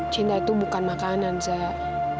cinta itu bukan makanan zak